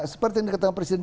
seperti yang dikatakan presiden